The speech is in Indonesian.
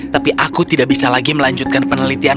tapi aku tidak bisa lagi melanjutkan penelitian